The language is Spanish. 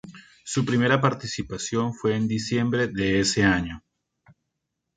Su primera participación fue en diciembre de ese año.